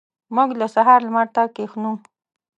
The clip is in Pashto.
موږ د سهار لمر ته کښینو.